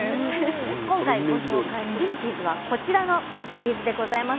今回ご紹介するチーズはこちらのチーズでございます。